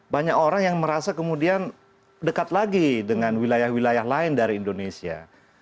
banyak orang yang merasa kemudian dekat lagi dengan wilayah wilayah lain dari indonesia